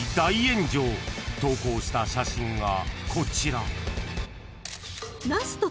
［投稿した写真がこちら］